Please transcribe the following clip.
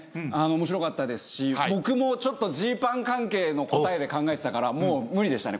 面白かったですし僕もジーパン関係の答えで考えてたからもう無理でしたね。